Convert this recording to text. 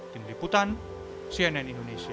tim liputan cnn indonesia